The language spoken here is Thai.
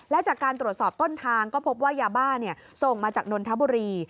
และจากการตรวจสอบต้นทางก็พบว่ายาบ้าส่งมาจากนนทบุรี